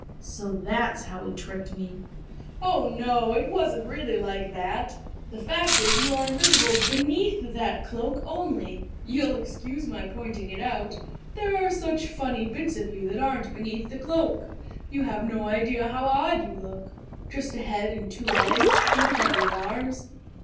"So that's how he tricked me!" "Oh no, it wasn't really like that. The fact is you are invisible beneath that cloak, only you'll excuse my pointing it out there are such funny bits of you that aren't beneath the cloak. You've no idea how odd you look; just a head and two legs, and a couple of arms....